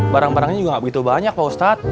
barang barangnya juga gak begitu banyak pak ustad